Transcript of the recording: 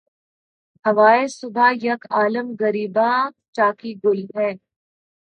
ہوائے صبح یک عالم گریباں چاکی گل ہے